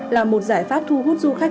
là một giải pháp thu hút du khách